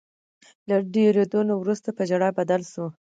له ډیریدو نه وروسته په ژړا بدل شول.